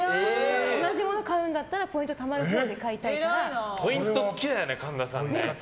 同じもの買うんだったらポイントたまるほうでポイント好きだよね、神田さん。